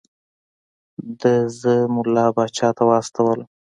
ده زه ملا پاچا ته واستولم.